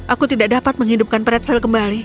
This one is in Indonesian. aku tidak dapat menghidupkan pretsel kembali